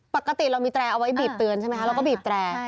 ปกติเรามีแตรเอาไว้บีบเตือนใช่ไหมคะเราก็บีบแตร